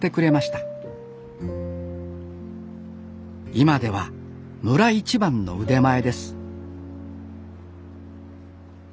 今では村一番の腕前です